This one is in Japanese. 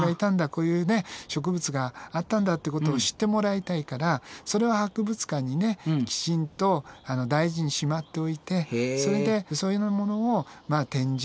こういうね植物があったんだってことを知ってもらいたいからそれを博物館にねきちんと大事にしまっておいてそれでそういうようなものを展示